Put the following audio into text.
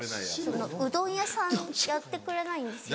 うどん屋さんやってくれないんですよ。